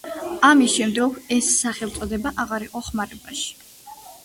ამის შემდგომ ეს სახელწოდება აღარ იყო ხმარებაში.